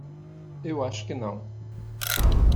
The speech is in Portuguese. Eu acho que não.